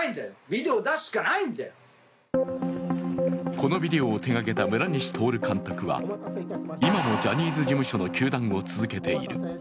このビデオを手がけた村西とおる監督は今もジャニーズ事務所の糾弾を続けている。